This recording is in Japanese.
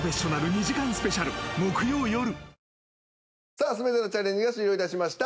さあ全てのチャレンジが終了いたしました。